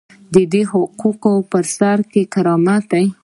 د دې حقوقو په سر کې کرامت دی.